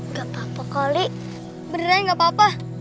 nggak apa apa koli beneran gak apa apa